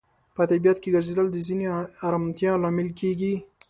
په طبیعت کې ګرځیدل د ذهني آرامتیا لامل کیږي.